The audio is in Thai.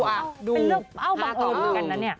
เป็นเรื่องเอ้าบังเอิญเหมือนกันนะเนี่ย